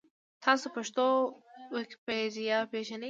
تاسو پښتو ویکیپېډیا پېژنۍ؟